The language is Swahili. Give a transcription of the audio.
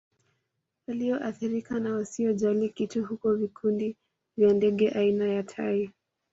Walioathirika na wasiojali kitu huku vikundi vya ndege aina ya tai